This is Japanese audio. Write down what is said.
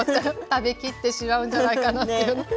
食べきってしまうんじゃないかなっていう。ね。